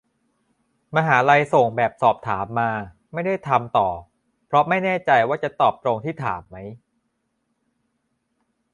มหาลัยส่งแบบสอบถามมา ไม่ได้ทำต่อ เพราะไม่แน่ใจว่าจะตอบตรงที่ถามไหม